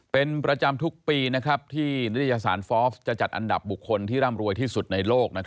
เป็นประจำทุกปีที่นิตยสารฟอล์ฟจะจัดอันดับบุคคลที่ร่ำรวยที่สุดในโลก